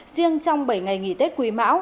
riêng trong bảy ngày nghỉ tết quý mão